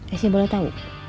isi boleh tahu